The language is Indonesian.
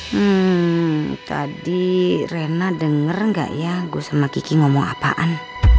hmm tadi rena denger gak ya gue sama kiki ngomong apaan